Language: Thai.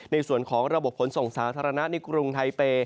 ในส่วนของระบบขนส่งสาธารณะในกรุงไทเป